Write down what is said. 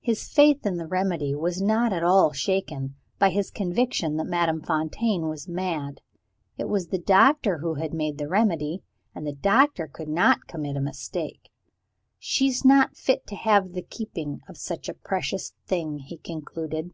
His faith in the remedy was not at all shaken by his conviction that Madame Fontaine was mad. It was the Doctor who had made the remedy and the Doctor could not commit a mistake. "She's not fit to have the keeping of such a precious thing," he concluded.